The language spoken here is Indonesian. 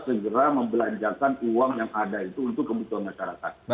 segera membelanjakan uang yang ada itu untuk kebutuhan masyarakat